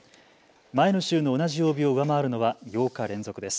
前の週の同じ曜日を上回るのは８日連続です。